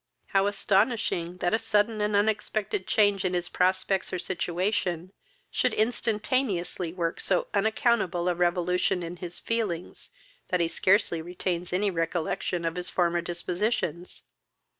How astonishing that a sudden and unexpected change in his prospects, or situation, should instantaneously work so unaccountable a revolution in his feelings, that he scarcely retains any recollection of his former dispositions!